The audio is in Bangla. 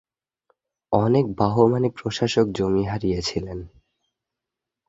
অনেক বাহমানি প্রশাসক জমি হারিয়েছিলেন।